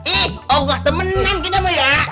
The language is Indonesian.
ih aku gak temenan kita mo